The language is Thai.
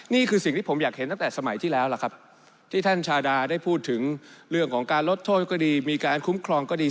นี่คือสิ่งที่ผมอยากเห็นตั้งแต่สมัยที่แล้วล่ะครับที่ท่านชาดาได้พูดถึงเรื่องของการลดโทษก็ดีมีการคุ้มครองก็ดี